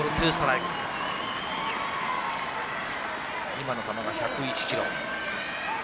今の球が１０１ｋｍ。